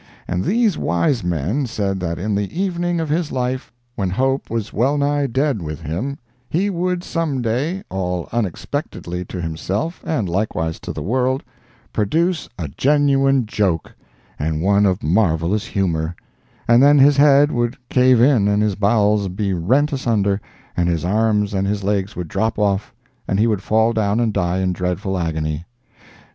And these wise men said that in the evening of his life, when hope was well nigh dead with him, he would some day, all unexpectedly to himself, and likewise to the world, produce a genuine joke, and one of marvelous humor—and then his head would cave in, and his bowels be rent asunder, and his arms and his legs would drop off and he would fall down and die in dreadful agony.